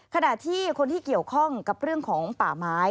ขณะที่คนที่เกี่ยวข้องกับเรื่องของป่าไม้